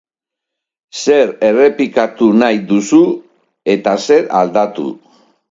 Zer errepikatu nahi duzue eta zer aldatu?